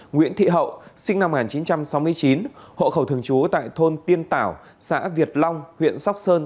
nguyễn thị hậu sinh năm một nghìn chín trăm sáu mươi chín hộ khẩu thường trú tại thôn tiên tảo xã việt long huyện sóc sơn